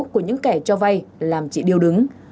của những kẻ cho vay làm chị điêu đứng